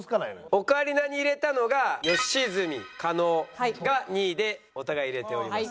オカリナに入れたのが吉住加納が２位でお互い入れております。